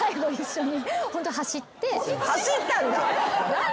走ったんだ。